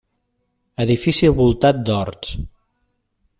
Edifici voltat d'horts.